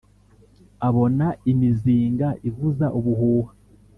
Abona imizinga ivuza ubuhuha